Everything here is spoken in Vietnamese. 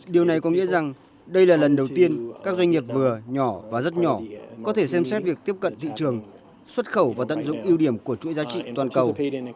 điều này có nghĩa rằng đây là lần đầu tiên các doanh nghiệp vừa nhỏ và rất nhỏ có thể xem xét việc tiếp cận thị trường xuất khẩu và tận dụng ưu điểm của chuỗi giá trị toàn cầu